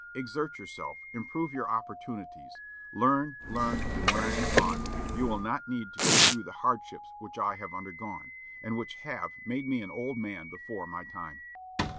Exert yourself, improve your opportunities, learn, learn, and, when I am gone, you will not need to go through the hardships which I have undergone, and which have made me an old man before my time.'"